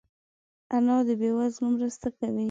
انا د بې وزلو مرسته کوي